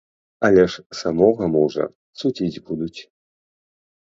Але ж самога мужа судзіць будуць.